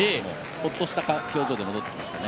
ほっとした表情で戻ってきました。